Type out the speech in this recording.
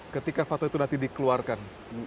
ketika foto itu nanti dikeluarkan